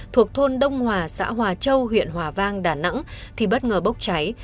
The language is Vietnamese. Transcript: thuộc thôn đông hòa xã hòa châu huyện hòa vang đà nẵng thì bất ngờ bốc cháy